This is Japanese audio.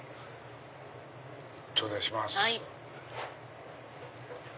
頂戴します。